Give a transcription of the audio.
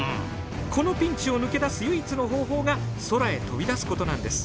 このピンチを抜け出す唯一の方法が空へ飛び出すことなんです。